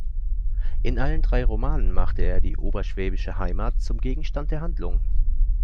In allen drei Romanen machte er die oberschwäbische Heimat zum Gegenstand der Handlung.